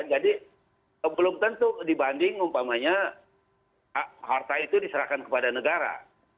jadi belum tentu dibanding umpamanya harta itu diserahkan kepada negara